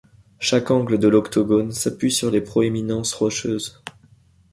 Chaque angle de l'octogone s'appuie sur les proéminences rocheuses.